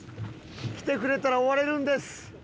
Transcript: きてくれたら終われるんです！